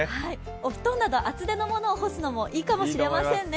お布団など厚手のものを干すのもいいかもしれませんね。